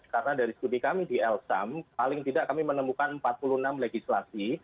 karena dari studi kami di elsam paling tidak kami menemukan empat puluh enam legislasi yang kontrainya terkait dengan data pribadi